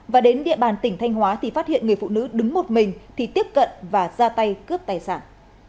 và đến địa bàn tỉnh thanh hóa thì phát hiện người phụ nữ đứng một mình thì tiếp cận và ra tay cướp tài sản